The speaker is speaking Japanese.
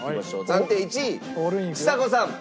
暫定１位ちさ子さん。